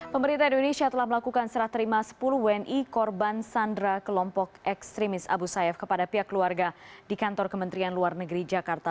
pemerintah indonesia telah melakukan serah terima sepuluh wni korban sandra kelompok ekstremis abu sayyaf kepada pihak keluarga di kantor kementerian luar negeri jakarta